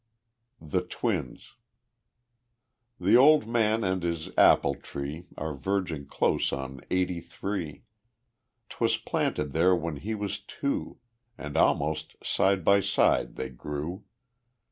The Twins I The old man and his apple tree Are verging close on eighty three; 'Twas planted there when he was two, And almost side by side they grew.